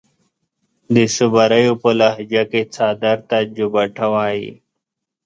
د صبريو پۀ لهجه کې څادر ته جوبټه وايي.